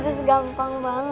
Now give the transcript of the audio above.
itu segampang banget